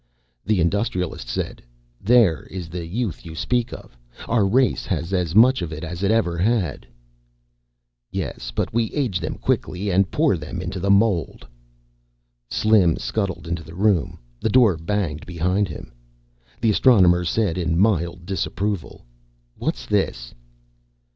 The Industrialist said, "There is the Youth you speak of. Our race has as much of it as it ever had." "Yes, but we age them quickly and pour them into the mold." Slim scuttled into the room, the door banging behind him. The Astronomer said, in mild disapproval, "What's this?"